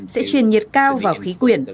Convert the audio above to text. sẽ truyền nhiệt cao vào khí quyển